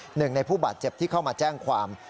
หนึ่งในผู้บาดเจ็บที่เข้ามาแจ้งความ